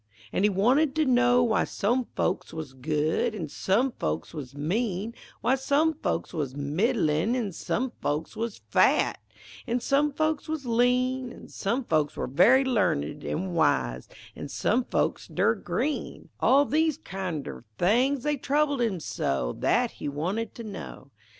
An' he wanted to know w'y some folks wuz good, An' some folks wuz mean, W'y some folks wuz middlin' an' some folks wuz fat, An' some folks wuz lean, An' some folks were very learned an' wise, An' some folks dern green; All these kin' er things they troubled him so That he wanted to know.